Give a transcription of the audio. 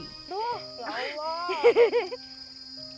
duh ya allah